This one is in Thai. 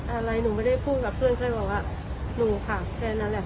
อะไรหนูไม่ได้พูดกับเพื่อนก็เลยบอกว่าหนูค่ะแค่นั้นแหละ